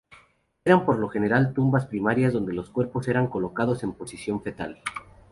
Eran por lo general tumbas primarias donde los cuerpos eran colocados en posición fetal.